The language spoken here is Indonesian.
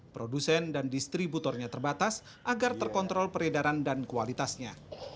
produsen dan distributornya terbatas agar terkontrol peredaran dan kualitasnya